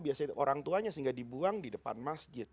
biasanya orang tuanya sehingga dibuang di depan masjid